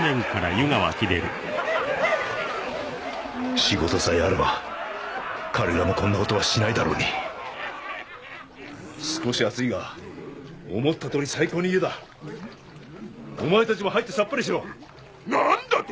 仕事さえあれば彼らもこんなことはしないだろうに少し熱いが思った通り最高の湯だお前たちも入ってさっぱりしろ何だと？